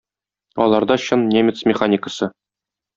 Аларда чын немец механикасы.